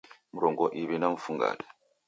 Mrongo iw'i na mfungade